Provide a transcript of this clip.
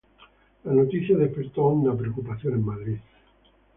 La noticia despertó honda preocupación en Madrid.